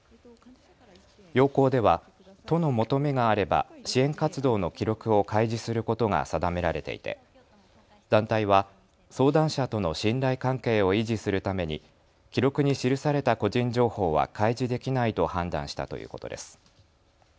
要綱では都の求めがあれば支援活動の記録を開示することが定められていて団体は相談者との信頼関係を維持するために記録に記された個人情報は開示できないと判断したということです。